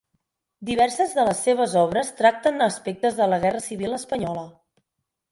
Diverses de les seves obres tracten aspectes de la guerra civil espanyola.